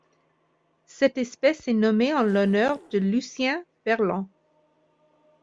Cette espèce est nommée en l'honneur de Lucien Berland.